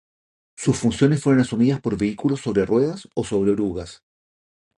Sus funciones fueron asumidas por vehículos sobre ruedas o sobre orugas.